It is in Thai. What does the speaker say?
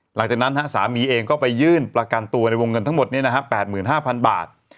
หลังจากนั้นสามีเองก็ไปยื่นประกันตัวในวงเงินทั้งหมด๘๕๐๐บาท